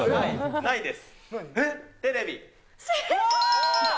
ないです。